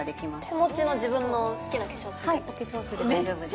手持ちの自分の好きな化粧水で？